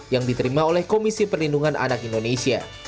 yang diterima oleh komisi perlindungan anak indonesia